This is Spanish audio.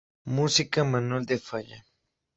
Música: Manuel de Falla.